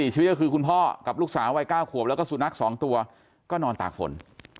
ชีวิตก็คือคุณพ่อกับลูกสาววัย๙ขวบแล้วก็สุนัข๒ตัวก็นอนตากฝน